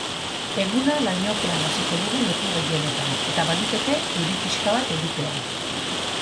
Eguna lainopean hasiko dugu leku gehienetan, eta baliteke euri pixka bat egitea.